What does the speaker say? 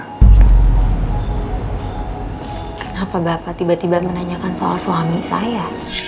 kenapa bapak tiba tiba menanyakan soal suami saya